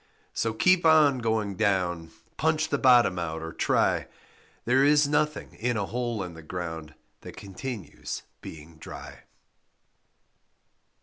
So keep on going down, Punch the bottom out, or try, There is nothing in a hole in the ground That continues being dry.